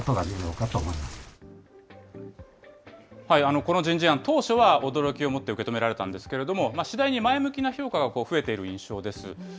この人事案、当初は驚きをもって受け止められたんですけれども、次第に前向きな評価が増えている印象です。